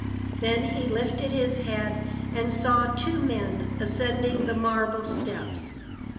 Then he lifted his head and saw two men ascending the marble steps.